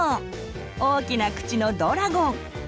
大きな口のドラゴン。